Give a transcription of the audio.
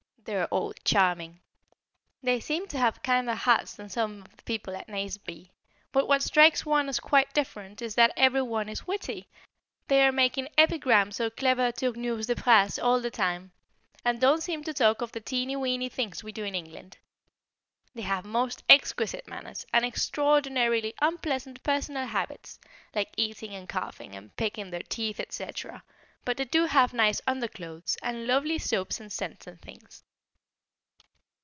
They are all charming. They seem to have kinder hearts than some of the people at Nazeby, but what strikes one as quite different is that every one is witty; they are making epigrams or clever tournures de phrases all the time, and don't seem to talk of the teeny weeny things we do in England. They have most exquisite manners, and extraordinarily unpleasant personal habits, like eating, and coughing, and picking their teeth, etc.; but they do have nice under clothes, and lovely soaps and scents and things.